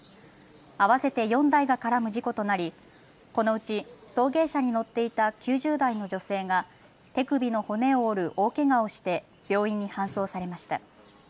合わせて４台が絡む事故となりこのうち送迎車に乗っていた９０代の女性が手首の骨を折る大けがをして病院に搬送されました。